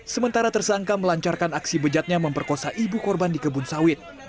sementara tersangka melancarkan aksi bejatnya memperkosa ibu korban di kebun sawit